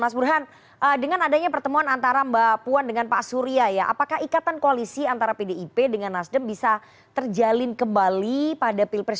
mas burhan dengan adanya pertemuan antara mbak puan dengan pak surya ya apakah ikatan koalisi antara pdip dengan nasdem bisa terjalin kembali pada pilpres dua ribu sembilan belas